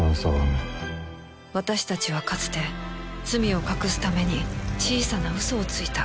私たちはかつて罪を隠すために小さな嘘をついた